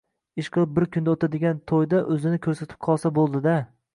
Ishqilib, bir kunda oʻtadigan toʻyda oʻzini koʻrsatib qolsa boʻldi-da…